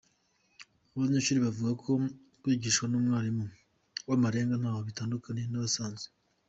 Aba banyeshuri bavuga ko kwigishwa n’umwarimu w’amarenga ntaho bitandukaniye n’abasanzwe.